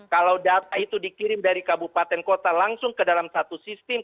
kalau data itu dikirim dari kabupaten kota langsung ke dalam satu sistem